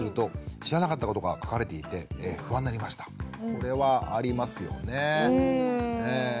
これはありますよね。